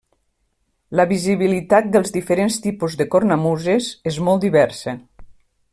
La visibilitat dels diferents tipus de cornamuses és molt diversa.